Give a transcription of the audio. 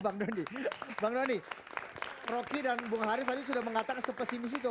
bang doni bang doni rocky dan bung haris tadi sudah mengatakan sepesimis itu